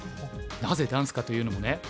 なぜダンスかというのもね